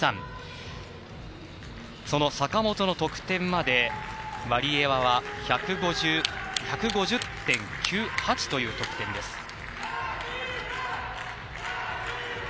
その坂本の得点までワリエワは１５０．９８という得点です。